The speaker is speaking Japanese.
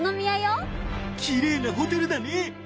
きれいなホテルだね！